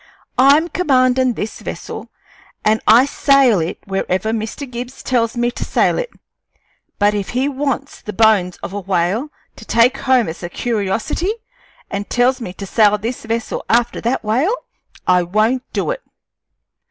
I'm commandin' this vessel, and I sail it wherever Mr. Gibbs tells me to sail it; but if he wants the bones of a whale to take home as a curiosity, an' tells me to sail this vessel after that whale, I won't do it."